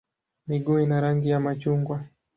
Miguu ina rangi ya machungwa.